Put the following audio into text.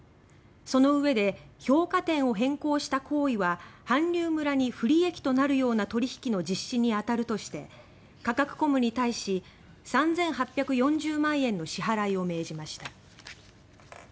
そのうえで評価点を変更した行為は韓流村に不利益となるような取引の実施に当たるとしてカカクコムに対し３８４０万円の支払いを命じました。